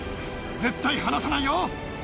絶対離さないよ。